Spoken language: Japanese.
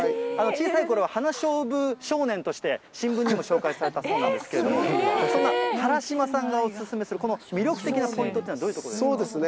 小さいころは花しょうぶ少年として新聞にも紹介されたそうなんですけれども、そんな原嶋さんがお勧めする、この魅力的なポイントっていうのは、どういうところですか。